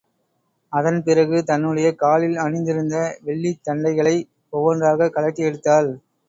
அதன்பிறகு, தன்னுடைய காலில் அணிந்திருந்த வெள்ளித் தண்டைகளை ஒவ்வொன்றாகக் கழட்டி எடுத்தாள்.